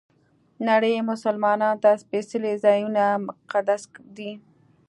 نړۍ مسلمانانو ته سپېڅلي ځایونه مقدس دي.